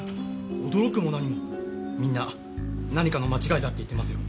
驚くも何もみんな何かの間違いだって言ってますよ。